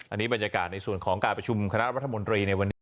อันนี้บรรยากาศในส่วนของการประชุมคณะรัฐมนตรีในวันนี้